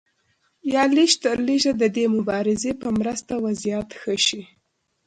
یا لږترلږه د دې مبارزې په مرسته وضعیت ښه شي.